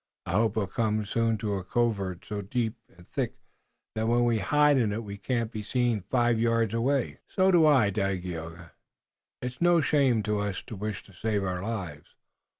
I hope we'll come soon to a covert so deep and thick that when we hide in it we can't be seen five yards away." "So do I, Dagaeoga. It is no shame to us to wish to save our lives.